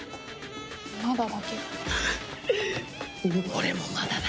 俺もまだだ。